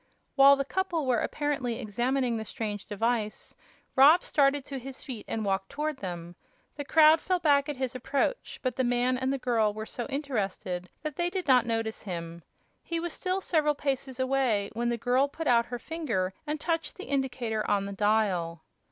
While the couple were apparently examining the strange device, Rob started to his feet and walked toward them. The crowd fell back at his approach, but the man and the girl were so interested that they did not notice him. He was still several paces away when the girl put out her finger and touched the indicator on the dial.